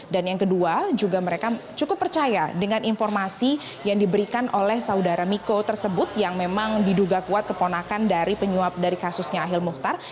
yang kedua juga mereka cukup percaya dengan informasi yang diberikan oleh saudara miko tersebut yang memang diduga kuat keponakan dari penyuap dari kasusnya ahil muhtar